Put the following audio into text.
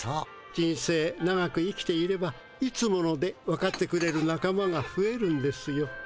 人生長く生きていれば「いつもの」でわかってくれる仲間がふえるんですよ。